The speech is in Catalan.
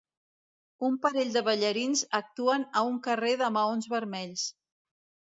Un parell de ballarins actuen a un carrer de maons vermells.